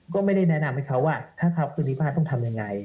ก็ไม่ได้แนะนำให้เขาว่าถ้าเขาภูมิภาคต้องทำยังไง